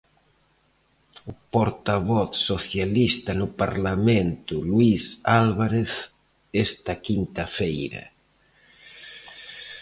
O portavoz socialista no Parlamento, Luís Álvarez, esta quinta feira.